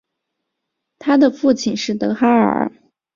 她的父亲是德哈尔。